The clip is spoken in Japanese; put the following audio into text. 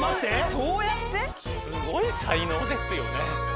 そうやって⁉すごい才能ですよね。